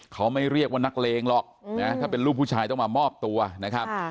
เขาไม่เรียกว่านักเลงหรอกนะถ้าเป็นลูกผู้ชายต้องมามอบตัวนะครับ